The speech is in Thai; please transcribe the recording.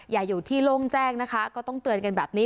อย่าอยู่ที่โล่งแจ้งนะคะก็ต้องเตือนกันแบบนี้